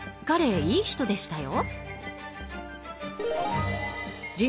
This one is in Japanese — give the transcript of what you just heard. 彼もいい人でしたよ。